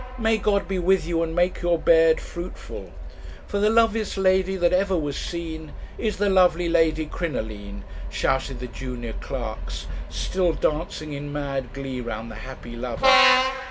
'May God be with you, and make your bed fruitful!' "'For the loveliest lady that ever was seen Is the lovely Lady Crinoline,' shouted the junior clerks, still dancing in mad glee round the happy lover.